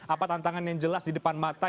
apa tantangan yang jelas di depan mata